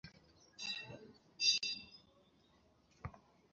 তবে মদীনায়ই তার অবস্থান অধিক ও ঘনিষ্ট ছিল।